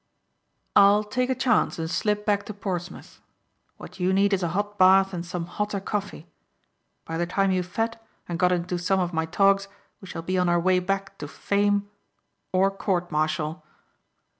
"I'll take a chance and slip back to Portsmouth. What you need is a hot bath and some hotter coffee. By the time you've fed and got into some of my togs we shall be on our way back to fame or court martial."